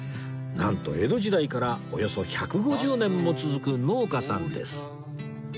なんと江戸時代からおよそ１５０年も続く農家さんです